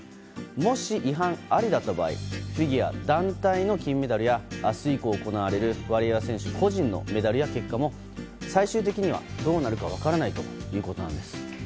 もし、違反ありだった場合フィギュア団体の金メダルや明日以降行われるワリエワ選手個人のメダルや結果も最終的にはどうなるか分からないということなんです。